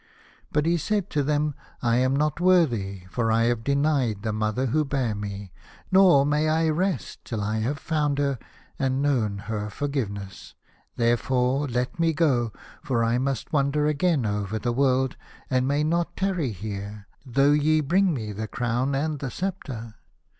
But he said to them, " I am not worthy, for I have denied the mother who bare me, nor may I rest till I have found her, and known her forgiveness. Therefore, let me go, for I must wander again over the world, and may not tarry here, though ye bring me the crown 156 The Star Child. and the sceptre."